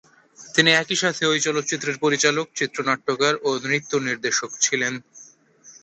তিনি একই সাথে ঐ চলচ্চিত্রের পরিচালক, চিত্রনাট্যকার ও নৃত্য নির্দেশক ছিলেন।